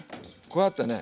こうやってね。